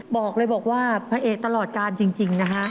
บอกเลยบอกว่าพระเอกตลอดการจริงนะฮะ